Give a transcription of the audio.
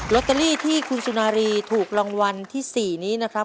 ตเตอรี่ที่คุณสุนารีถูกรางวัลที่๔นี้นะครับ